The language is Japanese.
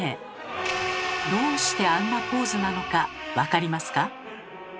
どうしてあんなポーズなのかわかりますか？